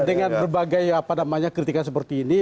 dengan berbagai apa namanya kritikan seperti ini